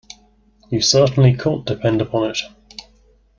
You certainly can't depend upon it.